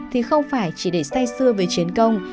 thì không phải chỉ để say xưa về chiến công